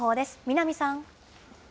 南さん。